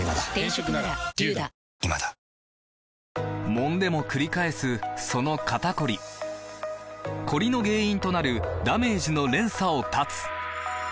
もんでもくり返すその肩こりコリの原因となるダメージの連鎖を断つ！